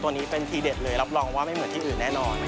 นี้เป็นทีเด็ดเลยรับรองว่าไม่เหมือนที่อื่นแน่นอน